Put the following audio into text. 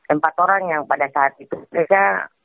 empat orang yang pada saat itu mereka